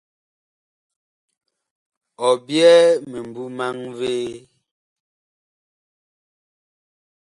Ɔ byɛɛ mimbu maŋ vee ?